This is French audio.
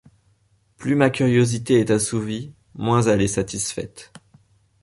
Plus ma curiosité est assouvie, moins elle est satisfaite.